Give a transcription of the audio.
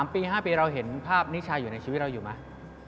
ปี๕ปีเราเห็นภาพนิชาอยู่ในชีวิตเราอยู่ไหม